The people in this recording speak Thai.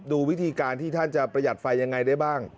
ดูวิธีการที่ท่านจะประหยัดไฟยังไงได้บ้าง